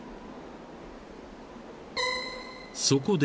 ［そこで］